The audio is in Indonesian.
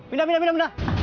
pindah pindah pindah